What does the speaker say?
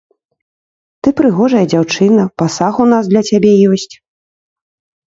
Ты прыгожая дзяўчына, пасаг у нас для цябе ёсць.